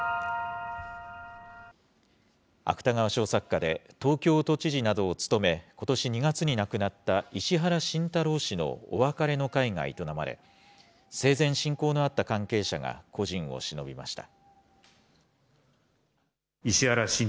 芥川賞作家で、東京都知事などを務め、ことし２月に亡くなった石原慎太郎氏のお別れの会が営まれ、生前、親交のあった関係者が故人をしのびました。